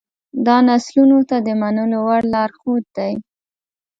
دا نسلونو ته د منلو وړ لارښود دی.